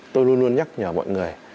tôi luôn luôn nhắc nhờ mọi người